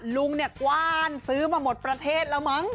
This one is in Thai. ลุงเนี่ยกว้านซื้อมาหมดประเทศแล้วมั้ง